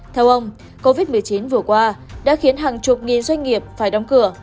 theo ông covid một mươi chín vừa qua đã khiến hàng chục nghìn doanh nghiệp phải đóng cửa